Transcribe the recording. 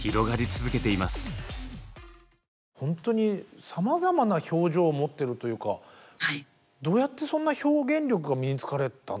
ほんとにさまざまな表情を持ってるというかどうやってそんな表現力が身に付かれたんだろう。